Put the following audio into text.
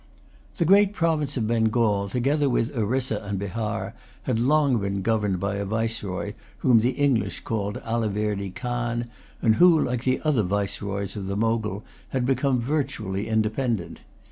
The great province of Bengal, together with Orissa and Bahar, had long been governed by a viceroy, whom the English called Aliverdy Khan, and who, like the other viceroys of the Mogul, had become virtually independent.